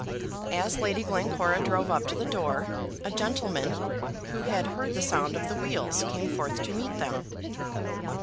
As Lady Glencora drove up to the door, a gentleman, who had heard the sound of the wheels, came forth to meet them.